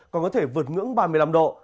còn có thể vượt ngưỡng ba mươi năm độ